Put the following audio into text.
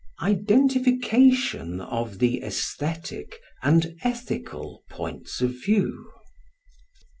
Identification of the Aesthetic and Ethical Points of View.